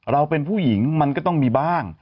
เราเป็นผู้หญิงมันก็ต้องมีบ้าง